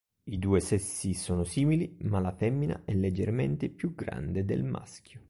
I due sessi sono simili, ma la femmina è leggermente più grande del maschio.